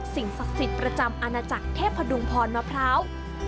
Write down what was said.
สิ่งศักดิ์สิทธิ์ประจำอาณาจักรเทพดุงพรมะพร้าว